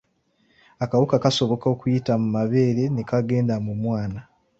Akawuka kasoboka okuyita mu mabeere ne kagenda mu mwana.